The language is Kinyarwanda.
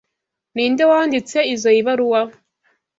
Ninde wanditse izoi baruwa?